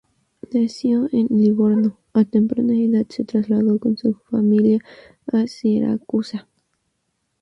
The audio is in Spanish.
Nacido en Livorno, a temprana edad se trasladó con su familia a Siracusa.